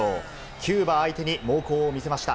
キューバ相手に猛攻を見せました。